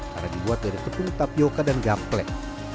karena dibuat dari tepung tapioca dan gaplet